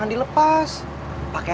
nanti siap kok